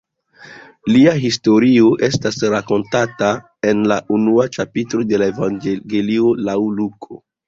Lia historio estas rakontata en la unua ĉapitro de la Evangelio laŭ Luko.